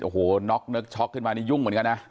โหน็กเนอะช็อกขึ้นมานี่หยุ่งเหมือนกันนะ